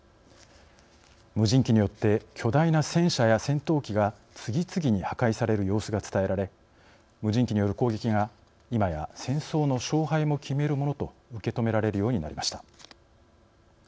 無人機によって巨大な戦車や戦闘機が次々に破壊される様子が伝えられ無人機による攻撃がいまや戦争の勝敗も決めるものと受け止められるようになりました。